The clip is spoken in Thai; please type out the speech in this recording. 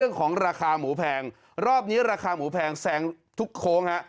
เรื่องของราคาหมูแพงรอบนี้ราคาหมูแพงแซงทุกโค้งฮะ